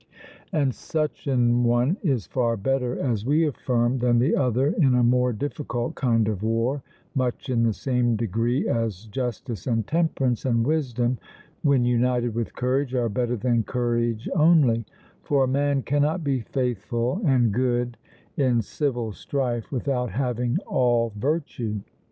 And such an one is far better, as we affirm, than the other in a more difficult kind of war, much in the same degree as justice and temperance and wisdom, when united with courage, are better than courage only; for a man cannot be faithful and good in civil strife without having all virtue.